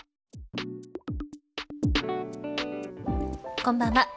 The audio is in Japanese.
こんばんは。